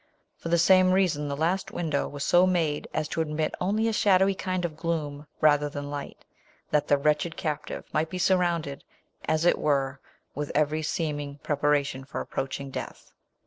For the same reason, the last window was so made as to admit only a shadowy kind of gloom rather than light, that the wretched captive might be surrounded, as it were, with every seeming prepara tion for approaching death.